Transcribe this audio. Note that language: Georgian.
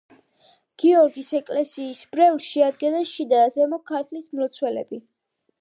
გიორგის ეკლესიის მრევლს შეადგენდნენ შიდა და ზემო ქართლის მლოცველები.